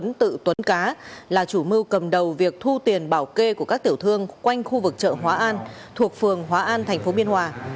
nguyễn tự tuấn cá là chủ mưu cầm đầu việc thu tiền bảo kê của các tiểu thương quanh khu vực chợ hóa an thuộc phường hóa an thành phố biên hòa